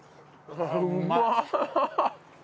うまっ！